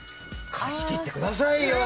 貸し切ってくださいよ！